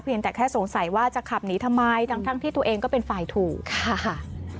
แต่แค่สงสัยว่าจะขับหนีทำไมทั้งที่ตัวเองก็เป็นฝ่ายถูกค่ะ